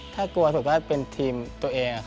ถ้ากลัวผมว่าเป็นทีมตัวเอง